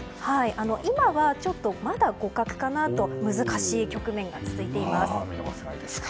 今はまだ互角かなと難しい局面が続いています。